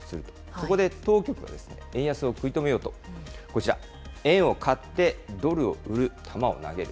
そこで当局が円安を食い止めようと、こちら、円を買って、ドルを売る球を投げる。